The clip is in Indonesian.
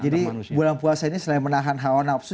jadi bulan puasa ini selain menahan haon nafsu